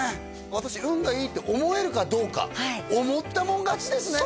私運がいいって思えるかどうかはい思ったもん勝ちですね